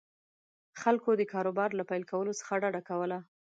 خلکو د کاروبار له پیل کولو څخه ډډه کوله.